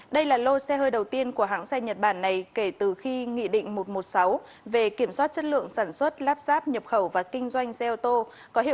đây là lô xe hơi đầu tiên của hãng xe nhật bản này kể từ khi nghị định một trăm một mươi sáu về kiểm soát chất lượng sản xuất láp sáp nhập khẩu và kinh doanh